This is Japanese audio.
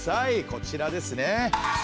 こちらですねはい。